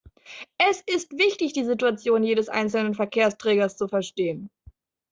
Es ist wichtig, die Situation jedes einzelnen Verkehrsträgers zu verstehen.